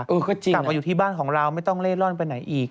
กลับมาอยู่ที่บ้านของเราไม่ต้องเล่ร่อนไปไหนอีก